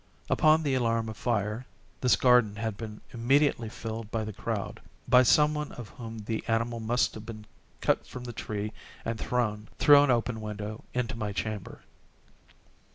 Upon the alarm of fire, this garden had been immediately filled by the crowd—by some one of whom the animal must have been cut from the tree and thrown, through an open window, into my chamber.